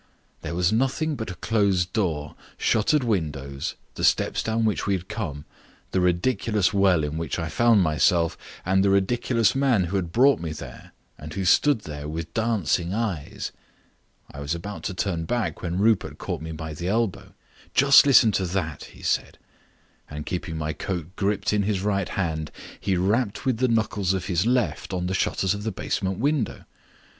There was nothing but a closed door, shuttered windows, the steps down which we had come, the ridiculous well in which I found myself, and the ridiculous man who had brought me there, and who stood there with dancing eyes. I was just about to turn back when Rupert caught me by the elbow. "Just listen to that," he said, and keeping my coat gripped in his right hand, he rapped with the knuckles of his left on the shutters of the basement window.